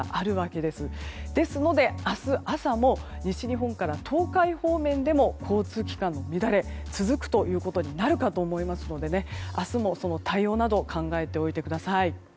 ですので、明日朝も西日本から東海方面でも交通機関の乱れが続くことになるかと思いますので明日も、その対応など考えておいてください。